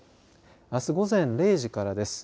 あす午前０時からです。